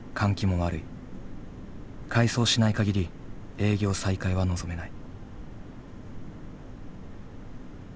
改装しない限り営業再開は望めない。